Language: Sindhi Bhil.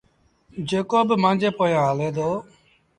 جيڪو با مآݩجي پويآنٚ هلي دو